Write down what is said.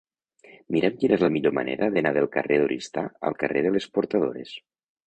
Mira'm quina és la millor manera d'anar del carrer d'Oristà al carrer de les Portadores.